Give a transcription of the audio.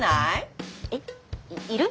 えっいいる？